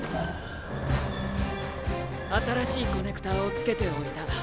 新しいコネクターを付けておいた。